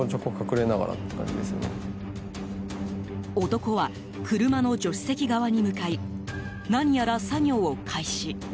男は車の助手席側に向かい何やら作業を開始。